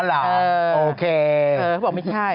เขาบอกไม่ใช่